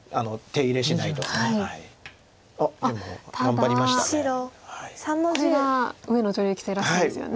これが上野女流棋聖らしいですよね。